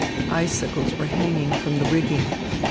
Icicles were hanging from the rigging.